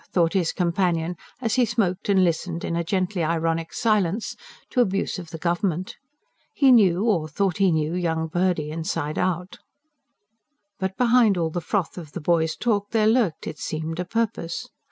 thought his companion, as he smoked and listened, in a gently ironic silence, to abuse of the Government. He knew or thought he knew young Purdy inside out. But behind all the froth of the boy's talk there lurked, it seemed, a purpose.